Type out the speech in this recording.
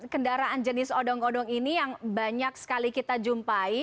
kendaraan jenis odong odong ini yang banyak sekali kita jumpai